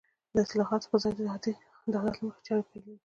د اصلاحاتو په ځای د عادت له مخې چارې پيلوي.